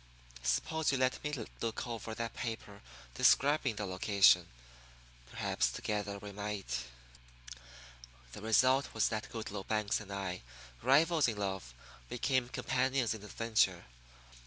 Suppose you let me look over that paper describing the location. Perhaps together we might " The result was that Goodloe Banks and I, rivals in love, became companions in adventure.